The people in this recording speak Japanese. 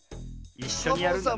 いっしょにやるんだな。